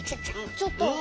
ちょっと。